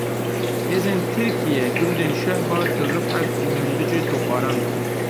Hêzên Tirkiye gundên Şehba, Til Rifat û Minbicê topbaran kirin.